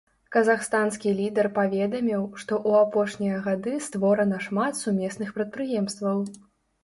Казахстанскі лідар паведаміў, што ў апошнія гады створана шмат сумесных прадпрыемстваў.